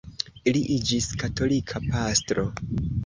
Li iĝis katolika pastro.